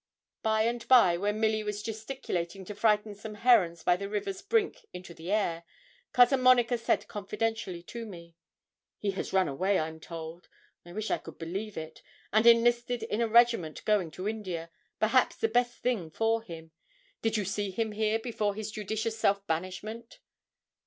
By and by, when Milly was gesticulating to frighten some herons by the river's brink into the air, Cousin Monica said confidentially to me 'He has run away, I'm told I wish I could believe it and enlisted in a regiment going to India, perhaps the best thing for him. Did you see him here before his judicious self banishment?'